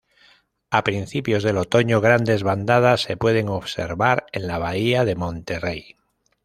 A principios del otoño grandes bandadas se puede observar en la bahía de Monterey.